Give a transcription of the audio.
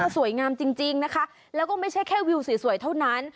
สวยงามจริงนะคะแล้วก็ไม่ใช่แค่วิวสวยเท่านั้น